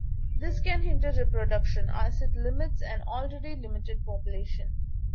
This can hinder reproduction, as it limits an already limited population.